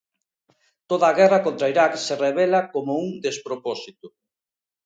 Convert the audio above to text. Toda a guerra contra Iraq se revela como un despropósito.